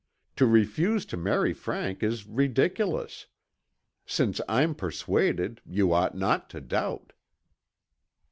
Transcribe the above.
To refuse to marry Frank is ridiculous. Since I'm persuaded, you ought not to doubt."